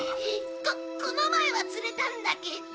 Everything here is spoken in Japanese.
ここの前は釣れたんだけど。